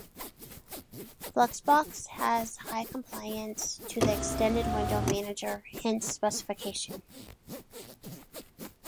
Fluxbox has high compliance to the Extended Window Manager Hints specification.